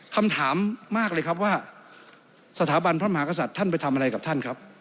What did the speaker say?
คำถามมากเลยครับว่าสถาบันพระมหากษัตริย์ท่านไปทำอะไรกับท่านครับ